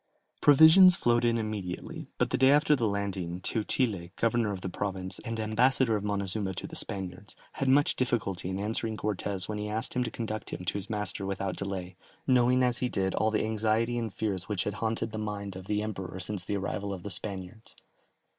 Provisions flowed in immediately, but the day after the landing, Teutile, governor of the province, and ambassador of Montezuma to the Spaniards, had much difficulty in answering Cortès when he asked him to conduct him to his master without delay, knowing as he did all the anxiety and fears which had haunted the mind of the Emperor since the arrival of the Spaniards.